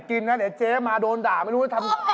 พี่บอร์นเอาให้นะครับ